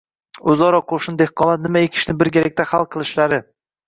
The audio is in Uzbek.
O‘zaro qo‘shni dehqonlar nima ekishni birgalikda hal qilishlari